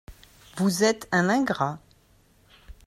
Vous êtes un ingrat…